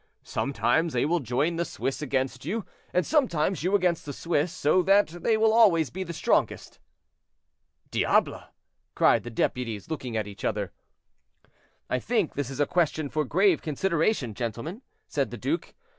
Sometimes they will join the Swiss against you, and sometimes you against the Swiss, so that they will always be the strongest." "Diable!" cried the deputies, looking at each other. "I think this is a question for grave consideration, gentlemen," said the duke.